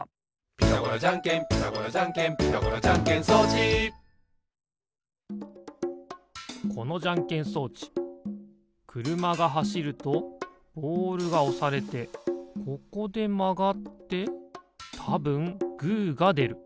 「ピタゴラじゃんけんピタゴラじゃんけん」「ピタゴラじゃんけん装置」このじゃんけん装置くるまがはしるとボールがおされてここでまがってたぶんグーがでる。